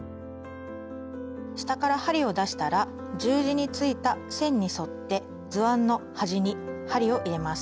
下から針を出したら十字についた線に沿って図案の端に針を入れます。